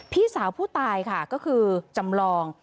พี่สาวผู้ตายค่ะก็คือจำลอง